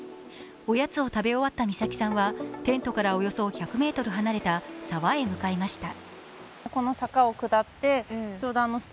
おやつを食べ終わった美咲さんはテントからおよそ１００ｍ離れた沢へ向かいました。